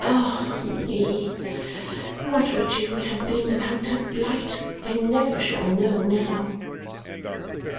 Ah me! What Richard would have been without that blight, I never shall know now!